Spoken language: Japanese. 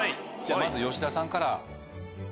まず吉田さんから。